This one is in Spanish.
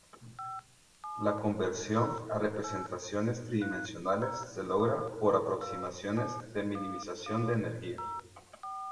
La conversión a representaciones tridimensionales se logra por aproximaciones de minimización de energía.